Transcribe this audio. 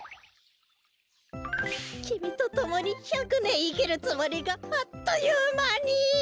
きみとともに１００ねんいきるつもりがあっというまに。